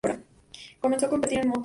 Comenzó a competir en motos.